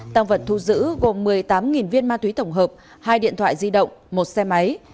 tăng vật thu giữ gồm một mươi tám viên ma túy tổng hợp hai điện thoại di động một xe máy